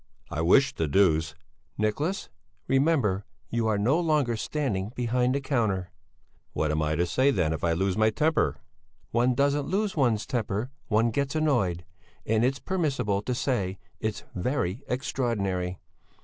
"I wish the deuce...." "Nicholas, remember you are no longer standing behind the counter." "What am I to say then if I lose my temper?" "One doesn't lose one's temper, one gets annoyed! And it's permissible to say: 'It's very extraordinary!'"